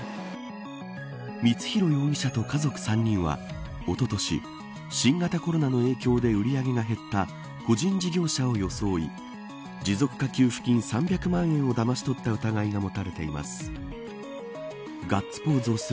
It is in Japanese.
光弘容疑者と家族３人はおととし新型コロナの影響で売り上げが減った個人事業者を装い持続化給付金３００万円をだまし取った疑いが持たれています。